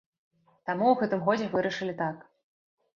Таму ў гэтым годзе вырашылі так.